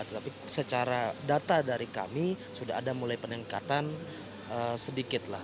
tetapi secara data dari kami sudah ada mulai peningkatan sedikit lah